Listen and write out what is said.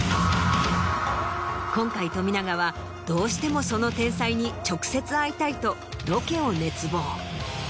今回冨永はどうしてもその天才に直接会いたいとロケを熱望。